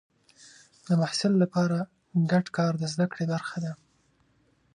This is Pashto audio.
د محصل لپاره ګډ کار د زده کړې برخه ده.